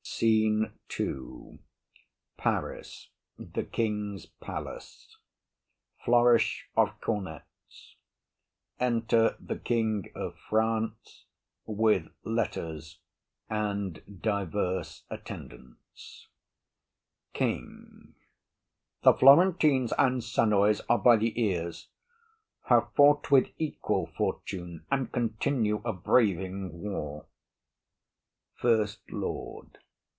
_] SCENE II. Paris. A room in the King's palace. Flourish of cornets. Enter the King of France, with letters; Lords and others attending. KING. The Florentines and Senoys are by th' ears; Have fought with equal fortune, and continue A braving war. FIRST LORD.